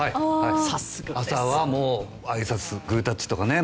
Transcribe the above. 朝はあいさつグータッチとかね。